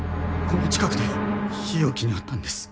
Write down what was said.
この近くで日置に会ったんです。